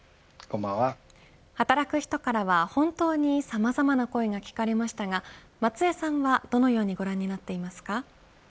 働く人からは、本当にさまざまな声が聞かれましたが松江さんは、どのようにご覧になっていますか。